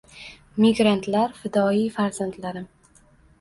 Migrantlar — fidoyi farzandlarim